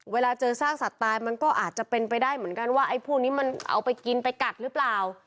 เวลาเจอซากสัตว์ตายมันก็อาจจะเป็นไปได้เหมือนกันว่าไอ้พวกนี้มันเอาไปกินไปกัดหรือเปล่า